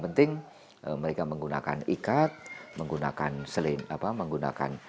untuk melestarikan budaya tengger